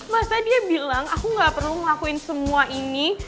masa dia bilang aku gak perlu ngelakuin semua ini